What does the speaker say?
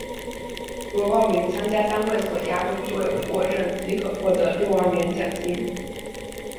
若报名参加单位所押注的队伍获胜即可获得六万元奖金。